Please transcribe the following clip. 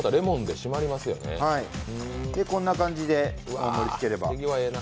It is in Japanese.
こんな感じで盛り付ければ。